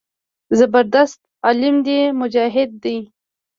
زبردست عالم دى مجاهد دى.